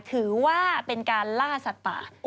ถือว่าเป็นการล่าสัตว์ป่า